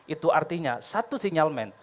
itu artinya satu sinyalmen